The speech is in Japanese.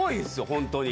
本当に。